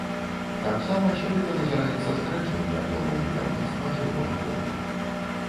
Таксама сёлета назіраецца скарачэнне аб'ёмаў будаўніцтва жылога фонду.